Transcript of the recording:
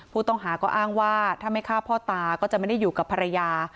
ผู้ต้องหาก็อ้างว่าถ้าไม่ฆ่าพ่อตาก็จะไม่ได้อยู่กับภรรยา